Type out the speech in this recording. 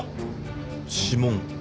指紋。